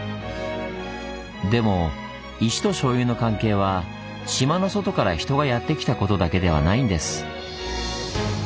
でも石としょうゆの関係は島の外から人がやって来たことだけではないんです。